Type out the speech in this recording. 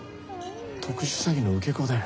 特殊詐欺の受け子だよ。